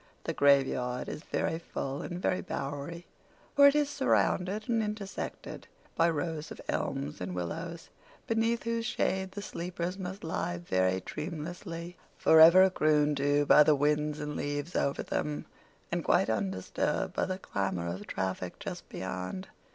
The graveyard is very full and very bowery, for it is surrounded and intersected by rows of elms and willows, beneath whose shade the sleepers must lie very dreamlessly, forever crooned to by the winds and leaves over them, and quite undisturbed by the clamor of traffic just beyond.